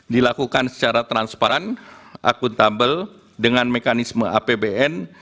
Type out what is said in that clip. dilakukan secara transparan akuntabel dengan mekanisme apbn